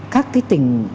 các cái tỉnh